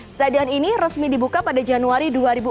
stadion ini resmi dibuka pada januari dua ribu empat belas